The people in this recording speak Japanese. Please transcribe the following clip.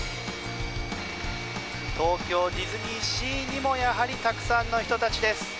東京ディズニーシーにもやはりたくさんの人たちです。